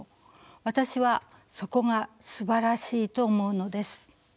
私はそこがすばらしいと思うのです。